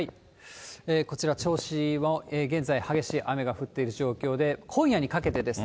こちら、銚子も現在、激しい雨が降っている状況で、今夜にかけてです。